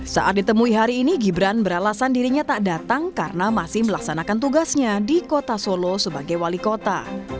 saat ditemui hari ini gibran beralasan dirinya tak datang karena masih melaksanakan tugasnya di kota solo sebagai wali kota